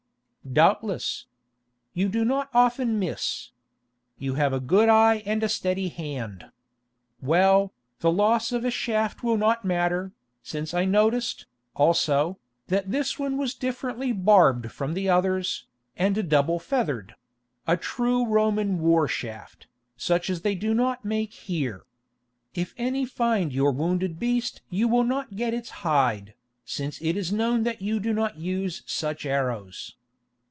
"Doubtless. You do not often miss. You have a good eye and a steady hand. Well, the loss of a shaft will not matter, since I noticed, also, that this one was differently barbed from the others, and double feathered; a true Roman war shaft, such as they do not make here. If any find your wounded beast you will not get its hide, since it is known that you do not use such arrows."